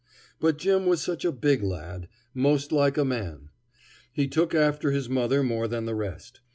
But Jim was such a big lad, 'most like a man. He took after his mother more than the rest.